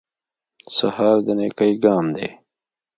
سهار د نېکۍ ګام دی.